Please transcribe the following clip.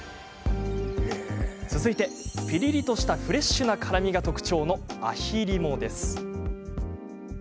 続いて、ピリリとしたフレッシュな辛みが特徴のアヒ・リモです。